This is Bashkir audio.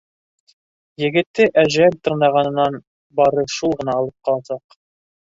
Егетте әжәл тырнағынан бары шул ғына алып ҡаласаҡ.